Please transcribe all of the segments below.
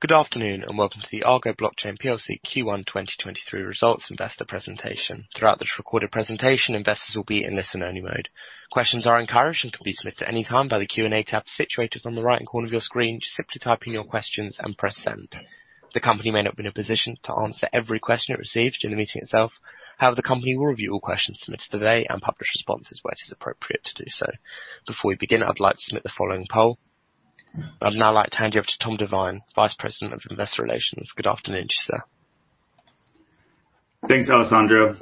Good afternoon, and welcome to the Argo Blockchain PLC Q1 2023 Results Investor Presentation. Throughout this recorded presentation, investors will be in listen-only mode. Questions are encouraged and can be submitted at any time by the Q&A tab situated on the right corner of your screen. Just simply type in your questions and press send. The company may not be in a position to answer every question it receives during the meeting itself. However, the company will review all questions submitted today and publish responses where it is appropriate to do so. Before we begin, I'd like to submit the following poll. I'd now like to hand you off to Tom Divine, Vice President of Investor Relations. Good afternoon, sir. Thanks, Alessandro.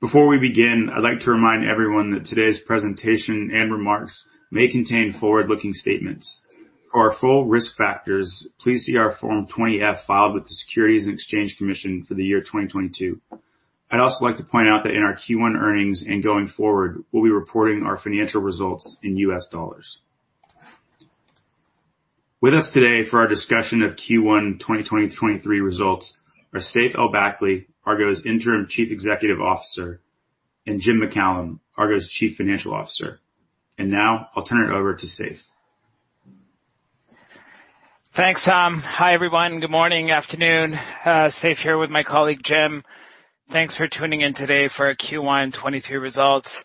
Before we begin, I'd like to remind everyone that today's presentation and remarks may contain forward-looking statements. For our full risk factors, please see our Form 20-F filed with the Securities and Exchange Commission for the year 2022. I'd also like to point out that in our Q1 earnings and going forward, we'll be reporting our financial results in U.S. dollars. With us today for our discussion of Q1 2023 results are Seif El-Bakly, Argo's Interim Chief Executive Officer, and Jim MacCallum, Argo's Chief Financial Officer. Now I'll turn it over to Seif. Thanks, Tom. Hi, everyone. Good morning, afternoon. Seif here with my colleague, Jim. Thanks for tuning in today for our Q1 2022 results.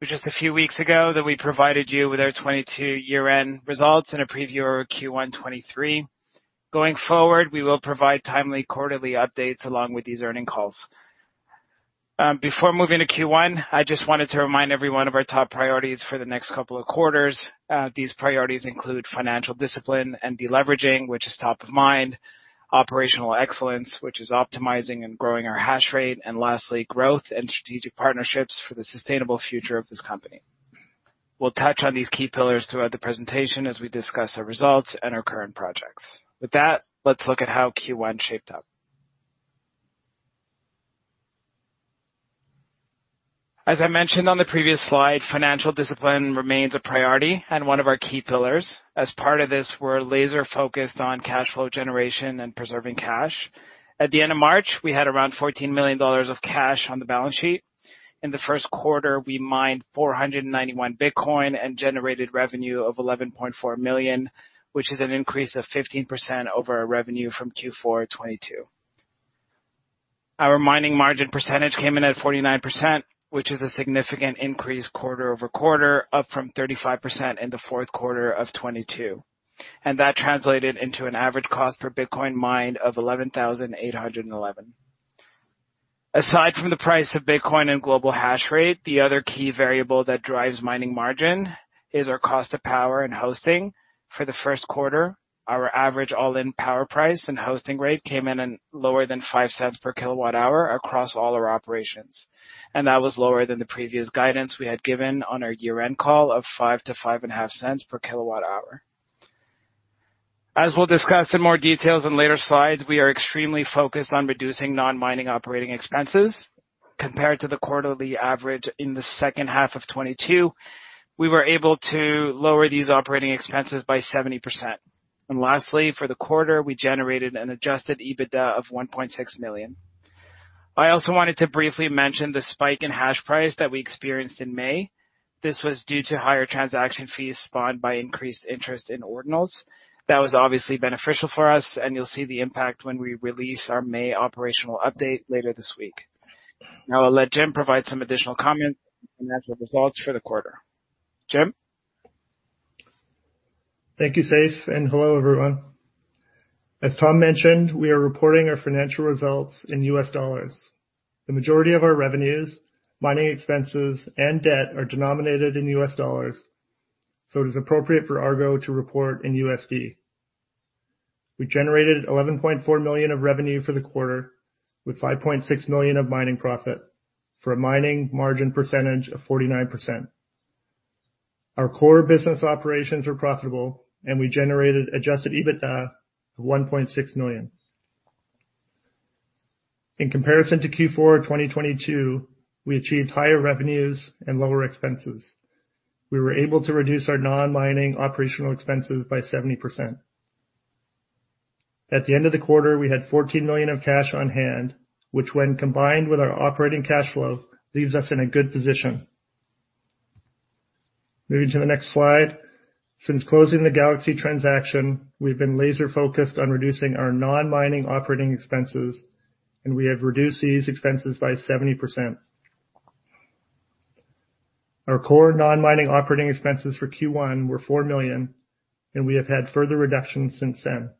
It was just a few weeks ago that we provided you with our 2022 year-end results and a preview of our Q1 2023. Going forward, we will provide timely quarterly updates along with these earning calls. Before moving to Q1, I just wanted to remind everyone of our top priorities for the next couple of quarters. These priorities include financial discipline and deleveraging, which is top of mind, operational excellence, which is optimizing and growing our hash rate, and lastly, growth and strategic partnerships for the sustainable future of this company. We'll touch on these key pillars throughout the presentation as we discuss our results and our current projects. Let's look at how Q1 shaped up. As I mentioned on the previous slide, financial discipline remains a priority and one of our key pillars. As part of this, we're laser-focused on cash flow generation and preserving cash. At the end of March, we had around $14 million of cash on the balance sheet. In the first quarter, we mined 491 Bitcoin and generated revenue of $11.4 million, which is an increase of 15% over our revenue from Q4 2022. Our mining margin percentage came in at 49%, which is a significant increase quarter-over-quarter, up from 35% in the fourth quarter of 2022. That translated into an average cost per Bitcoin mined of $11,811. Aside from the price of Bitcoin and global hash rate, the other key variable that drives mining margin is our cost of power and hosting. For the first quarter, our average all-in power price and hosting rate came in at lower than $0.05 per kWh across all our operations. That was lower than the previous guidance we had given on our year-end call of $0.05-$0.055 per kWh. As we'll discuss in more details in later slides, we are extremely focused on reducing non-mining operating expenses. Compared to the quarterly average in the second half of 2022, we were able to lower these operating expenses by 70%. Lastly, for the quarter, we generated an adjusted EBITDA of $1.6 million. I also wanted to briefly mention the spike in hash price that we experienced in May. This was due to higher transaction fees spawned by increased interest in Ordinals. That was obviously beneficial for us, and you'll see the impact when we release our May operational update later this week. Now I'll let Jim provide some additional comments on the financial results for the quarter. Jim? Thank you, Seif. Hello, everyone. As Tom mentioned, we are reporting our financial results in U.S. dollars. The majority of our revenues, mining expenses, and debt are denominated in U.S. dollars. It is appropriate for Argo to report in USD. We generated $11.4 million of revenue for the quarter, with $5.6 million of mining profit, for a mining margin percentage of 49%. Our core business operations are profitable. We generated adjusted EBITDA of $1.6 million. In comparison to Q4 of 2022, we achieved higher revenues and lower expenses. We were able to reduce our non-mining operational expenses by 70%. At the end of the quarter, we had $14 million of cash on hand, which, when combined with our operating cash flow, leaves us in a good position. Moving to the next slide. Since closing the Galaxy Digital transaction, we've been laser-focused on reducing our non-mining operating expenses, and we have reduced these expenses by 70%. Our core non-mining operating expenses for Q1 were $4 million, and we have had further reductions since then.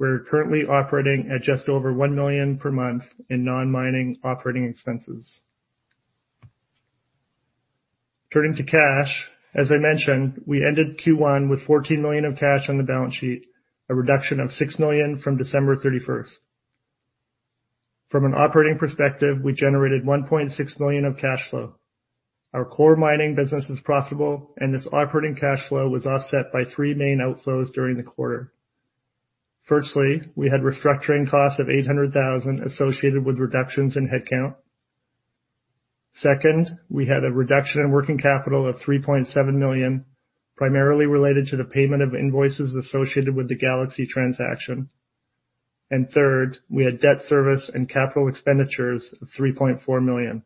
We're currently operating at just over $1 million per month in non-mining operating expenses. Turning to cash, as I mentioned, we ended Q1 with $14 million of cash on the balance sheet, a reduction of $6 million from December 31st. From an operating perspective, we generated $1.6 million of cash flow. Our core mining business is profitable, and this operating cash flow was offset by three main outflows during the quarter. Firstly, we had restructuring costs of $800,000 associated with reductions in headcount. Second, we had a reduction in working capital of $3.7 million, primarily related to the payment of invoices associated with the Galaxy transaction. Third, we had debt service and capital expenditures of $3.4 million.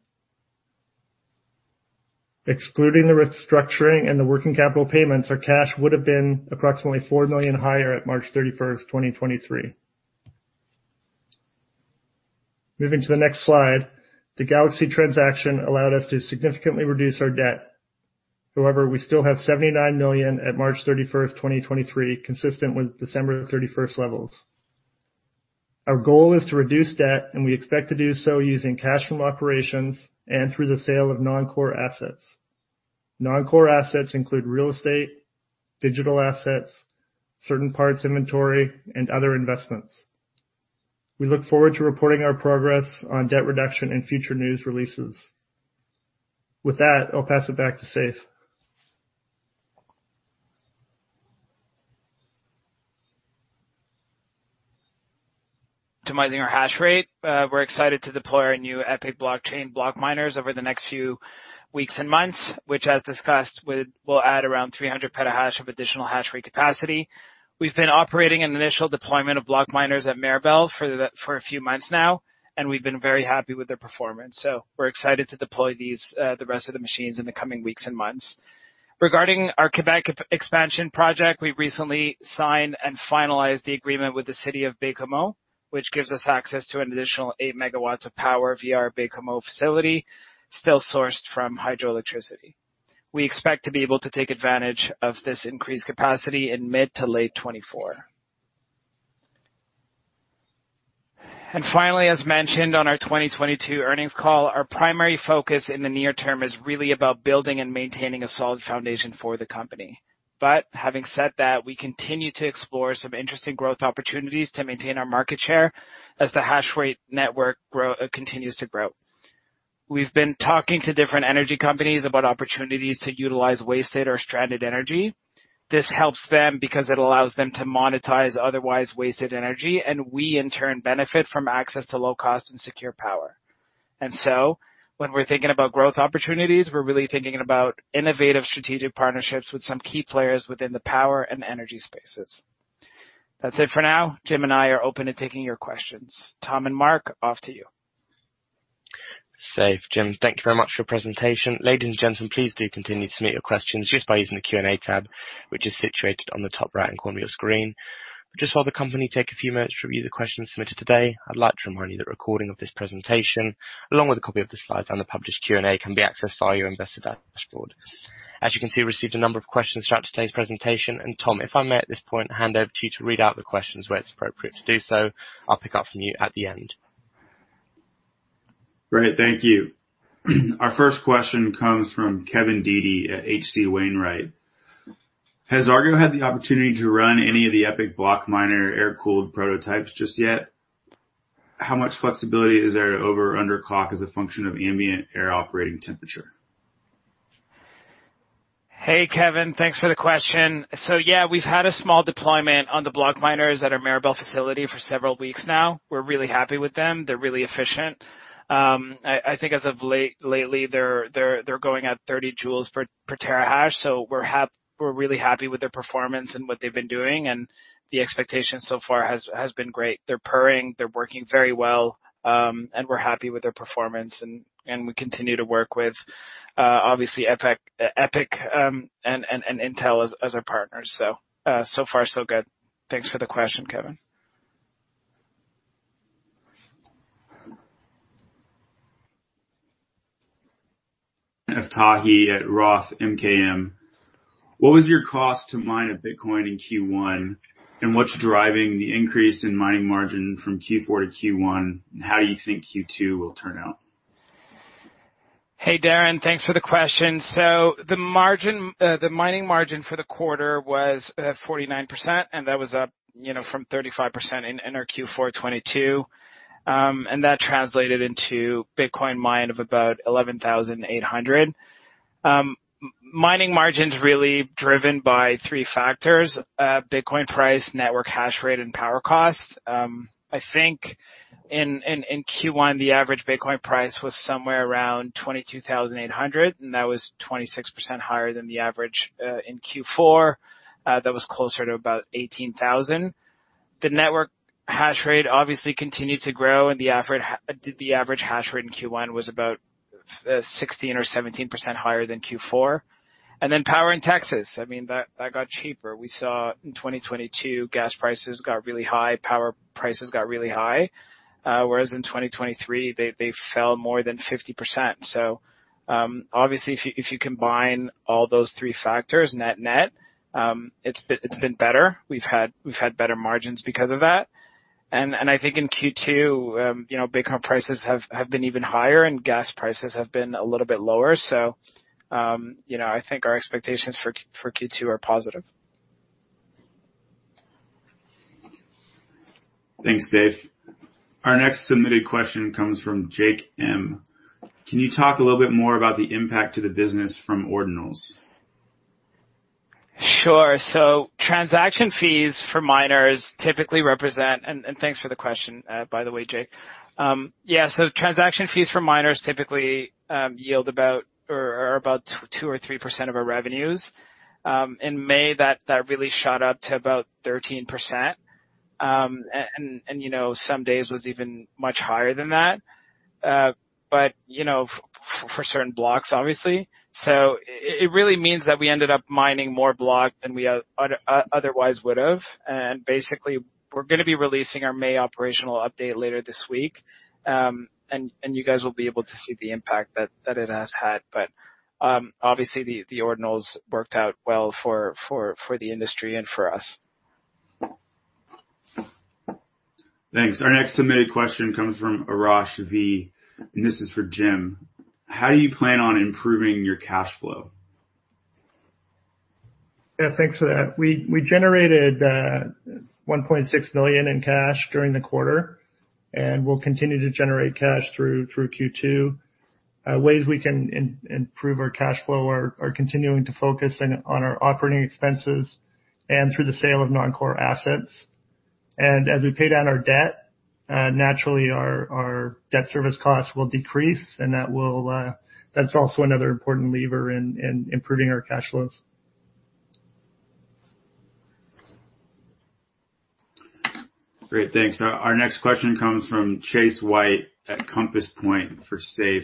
Excluding the restructuring and the working capital payments, our cash would have been approximately $4 million higher at March 31, 2023. Moving to the next slide, the Galaxy transaction allowed us to significantly reduce our debt. We still have $79 million at March 31, 2023, consistent with December 31 levels. Our goal is to reduce debt, and we expect to do so using cash from operations and through the sale of non-core assets. Non-core assets include real estate, digital assets, certain parts inventory, and other investments. We look forward to reporting our progress on debt reduction in future news releases. With that, I'll pass it back to Seif. -imizing our hash rate. We're excited to deploy our new ePIC Blockchain BlockMiners over the next few weeks and months, which, as discussed, will add around 300 petahash of additional hash rate capacity. We've been operating an initial deployment of BlockMiners at Mirabel for a few months now, and we've been very happy with their performance. We're excited to deploy these, the rest of the machines in the coming weeks and months. Regarding our Quebec expansion project, we recently signed and finalized the agreement with the city of Baie-Comeau, which gives us access to an additional 8 MW of power via our Baie-Comeau facility, still sourced from hydroelectricity. We expect to be able to take advantage of this increased capacity in mid to late 2024. Finally, as mentioned on our 2022 earnings call, our primary focus in the near term is really about building and maintaining a solid foundation for the company. Having said that, we continue to explore some interesting growth opportunities to maintain our market share as the hash rate network continues to grow. We've been talking to different energy companies about opportunities to utilize wasted or stranded energy. This helps them because it allows them to monetize otherwise wasted energy, and we in turn benefit from access to low cost and secure power. When we're thinking about growth opportunities, we're really thinking about innovative strategic partnerships with some key players within the power and energy spaces. That's it for now. Jim and I are open to taking your questions. Tom and Mark, off to you. Seif, Jim, thank you very much for your presentation. Ladies and gentlemen, please do continue to submit your questions just by using the Q&A tab, which is situated on the top right-hand corner of your screen. Just while the company take a few minutes to review the questions submitted today, I'd like to remind you that a recording of this presentation, along with a copy of the slides on the published Q&A, can be accessed via your investor dashboard. As you can see, we've received a number of questions throughout today's presentation, Tom, if I may at this point, hand over to you to read out the questions where it's appropriate to do so. I'll pick up from you at the end. Great, thank you. Our first question comes from Kevin Dede at H.C. Wainwright. Has Argo had the opportunity to run any of the ePIC BlockMiner air-cooled prototypes just yet? How much flexibility is there to over or under clock as a function of ambient air operating temperature? Hey, Kevin, thanks for the question. We've had a small deployment on the BlockMiners at our Mirabel facility for several weeks now. We're really happy with them. They're really efficient. I think lately, they're going at 30 joules per terahash, so We're really happy with their performance and what they've been doing, and the expectation so far has been great. They're purring, they're working very well, and we're happy with their performance, and we continue to work with obviously, ePIC, and Intel as our partners. So far, so good. Thanks for the question, Kevin. Tahei at ROTH MKM, what was your cost to mine a Bitcoin in Q1, and what's driving the increase in mining margin from Q4 to Q1, and how do you think Q2 will turn out? Hey, Darren, thanks for the question. The margin, the mining margin for the quarter was 49%, and that was up, you know, from 35% in our Q4 2022. That translated into Bitcoin mined of about 11,800. Mining margin's really driven by three factors: Bitcoin price, network hash rate, and power cost. I think in Q1, the average Bitcoin price was somewhere around $22,800, and that was 26% higher than the average in Q4. That was closer to about $18,000. The network hash rate obviously continued to grow, the average hash rate in Q1 was about 16% or 17% higher than Q4. Then power in Texas, I mean, that got cheaper. We saw in 2022, gas prices got really high, power prices got really high, whereas in 2023 they fell more than 50%. Obviously, if you combine all those three factors net net, it's been better. We've had better margins because of that. I think in Q2, you know, Bitcoin prices have been even higher and gas prices have been a little bit lower. You know, I think our expectations for Q2 are positive. Thanks, Dave. Our next submitted question comes from Jake M: Can you talk a little bit more about the impact to the business from Ordinals? Sure. Transaction fees for miners typically represent. Thanks for the question, by the way, Jake. Yeah, transaction fees for miners typically yield about 2% or 3% of our revenues. In May, that really shot up to about 13%. And, you know, some days was even much higher than that. But, you know, for certain blocks, obviously. It really means that we ended up mining more block than we otherwise would've, and basically, we're going to be releasing our May operational update later this week. And you guys will be able to see the impact that it has had. Obviously, the Ordinals worked out well for the industry and for us. Thanks. Our next submitted question comes from Arash V, and this is for Jim: How do you plan on improving your cash flow? Yeah, thanks for that. We generated $1.6 million in cash during the quarter, and we'll continue to generate cash through Q2. Ways we can improve our cash flow are continuing to focus on our operating expenses and through the sale of non-core assets. As we pay down our debt, naturally our debt service costs will decrease, and that will. That's also another important lever in improving our cash flows. Great, thanks. Our next question comes from Chase White at Compass Point for Seif.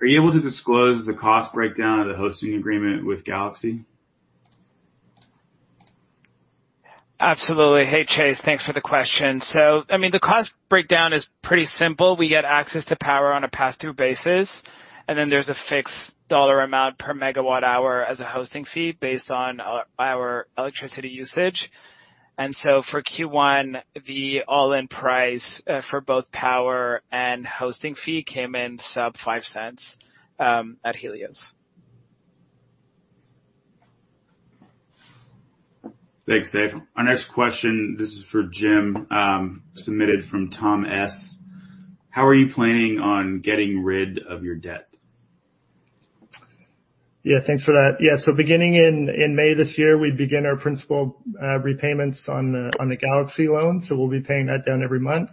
Are you able to disclose the cost breakdown of the hosting agreement with Galaxy? Absolutely. Hey, Chase, thanks for the question. I mean, the cost breakdown is pretty simple. We get access to power on a pass-through basis, then there's a fixed dollar amount per megawatt-hour as a hosting fee based on our electricity usage. For Q1, the all-in price for both power and hosting fee came in sub $0.05 at Helios. Thanks, Seif. Our next question, this is for Jim, submitted from Tom S: How are you planning on getting rid of your debt? Thanks for that. Beginning in May this year, we begin our principal repayments on the Galaxy loan, so we'll be paying that down every month.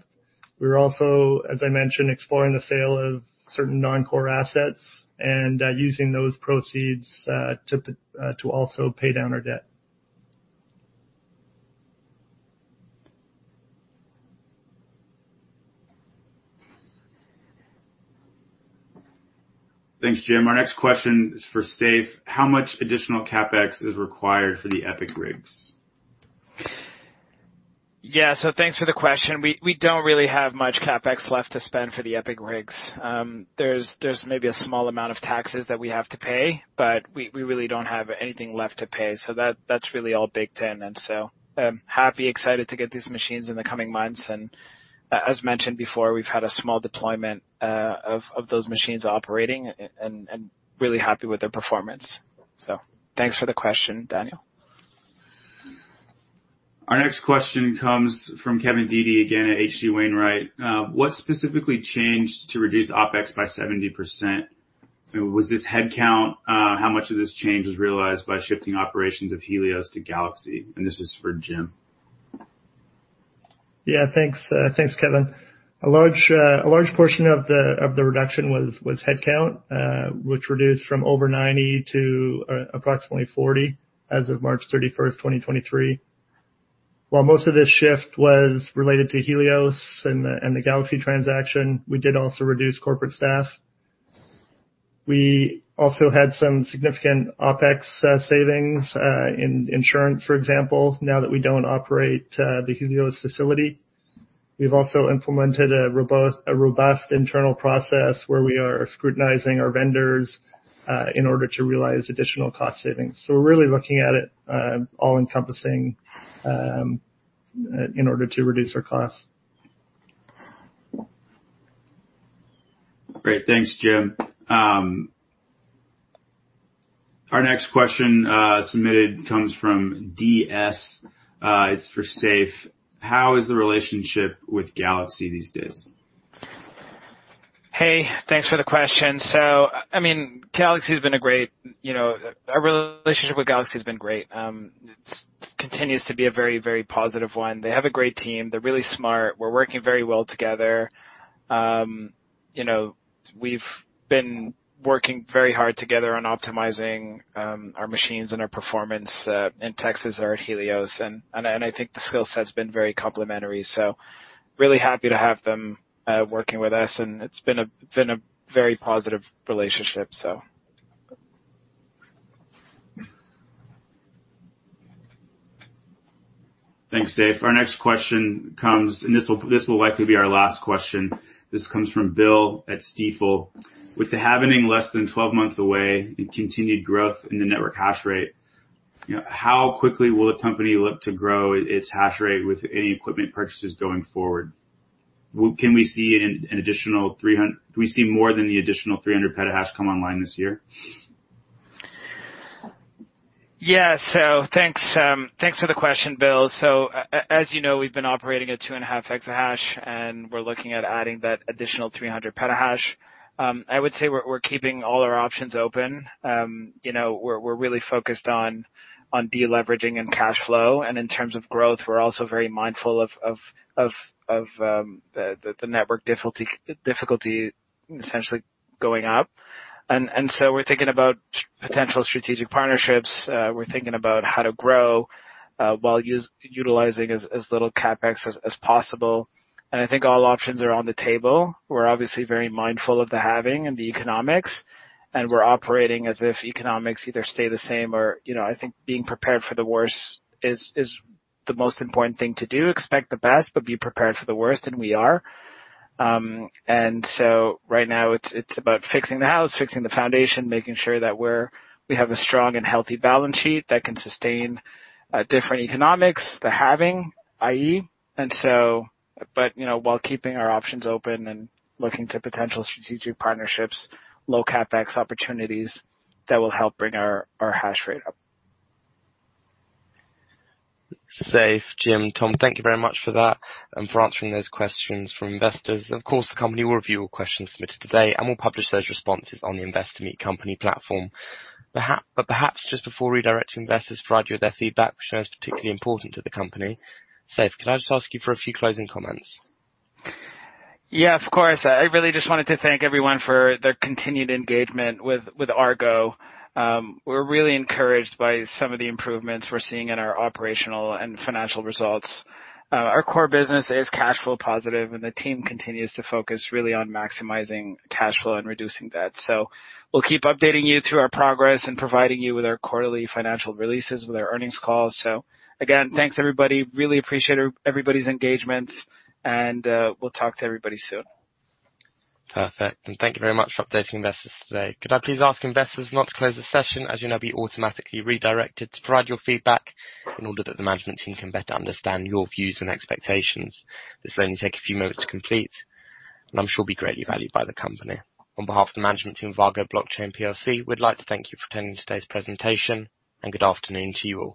We're also, as I mentioned, exploring the sale of certain non-core assets and using those proceeds to also pay down our debt. Thanks, Jim. Our next question is for Seif. How much additional CapEx is required for the ePIC rigs? Yeah, thanks for the question. We don't really have much CapEx left to spend for the ePIC rigs. There's maybe a small amount of taxes that we have to pay, but we really don't have anything left to pay, so that's really all baked in. Happy, excited to get these machines in the coming months, as mentioned before, we've had a small deployment of those machines operating and really happy with their performance. Thanks for the question, Daniel. Our next question comes from Kevin Dede, again, at H.C. Wainwright. What specifically changed to reduce OpEx by 70%? Was this head count? How much of this change was realized by shifting operations of Helios to Galaxy? This is for Jim. Thanks, thanks, Kevin. A large portion of the reduction was headcount, which reduced from over 90 to approximately 40 as of March 31, 2023. While most of this shift was related to Helios and the Galaxy transaction, we did also reduce corporate staff. We also had some significant OpEx savings in insurance, for example, now that we don't operate the Helios facility. We've also implemented a robust internal process where we are scrutinizing our vendors in order to realize additional cost savings. We're really looking at it, all-encompassing, in order to reduce our costs. Great. Thanks, Jim. Our next question, submitted comes from D.S., it's for Seif: How is the relationship with Galaxy these days? Hey, thanks for the question. I mean, Our relationship with Galaxy has been great. it's continues to be a very, very positive one. They have a great team. They're really smart. We're working very well together. you know, we've been working very hard together on optimizing our machines and our performance in Texas or at Helios, and I think the skill set's been very complementary, really happy to have them working with us, and it's been a very positive relationship. Thanks, Seif. Our next question comes, and this will likely be our last question. This comes from Bill at Stifel. With the halving less than 12 months away and continued growth in the network hash rate, you know, how quickly will the company look to grow its hash rate with any equipment purchases going forward? Can we see more than the additional 300 petahash come online this year? Yeah. Thanks for the question, Bill. As you know, we've been operating at 2.5 exahash, and we're looking at adding that additional 300 petahash. I would say we're keeping all our options open. You know, we're really focused on deleveraging and cash flow, and in terms of growth, we're also very mindful of the network difficulty essentially going up. We're thinking about potential strategic partnerships. We're thinking about how to grow while utilizing as little CapEx as possible. I think all options are on the table. We're obviously very mindful of the halving and the economics, and we're operating as if economics either stay the same or, you know, I think being prepared for the worst is the most important thing to do. Expect the best, but be prepared for the worst, and we are. So right now it's about fixing the house, fixing the foundation, making sure that we're, we have a strong and healthy balance sheet that can sustain, different economics, the halving, i.e. You know, while keeping our options open and looking to potential strategic partnerships, low CapEx opportunities that will help bring our hash rate up. Seif, Jim, Tom, thank you very much for that and for answering those questions from investors. Of course, the company will review all questions submitted today, and we'll publish those responses on the Investor Meet Company platform. Perhaps just before redirecting investors to provide you with their feedback, which is particularly important to the company, Seif, could I just ask you for a few closing comments? Yeah, of course. I really just wanted to thank everyone for their continued engagement with Argo. We're really encouraged by some of the improvements we're seeing in our operational and financial results. Our core business is cash flow positive, the team continues to focus really on maximizing cash flow and reducing debt. We'll keep updating you through our progress and providing you with our quarterly financial releases with our earnings calls. Again, thanks, everybody. Really appreciate everybody's engagement, we'll talk to everybody soon. Perfect. Thank you very much for updating investors today. Could I please ask investors not to close the session, as you'll now be automatically redirected to provide your feedback in order that the management team can better understand your views and expectations. This will only take a few moments to complete. I'm sure will be greatly valued by the company. On behalf of the management team of Argo Blockchain plc, we'd like to thank you for attending today's presentation. Good afternoon to you all.